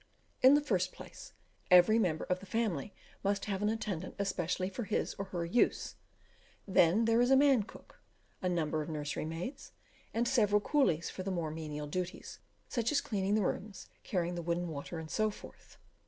In the first place, every member of the family must have an attendant especially for his or her use; then there is a man cook, a number of nursery maids, and several coolies for the more menial duties, such as cleaning the rooms, carrying the wood and water, and so forth.